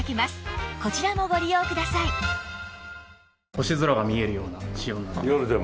星空が見えるような仕様なので。